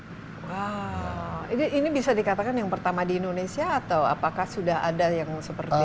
wow ini bisa dikatakan yang pertama di indonesia atau apakah sudah ada yang seperti